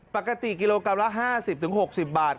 ปกติกิโลกรัมละ๕๐๖๐บาท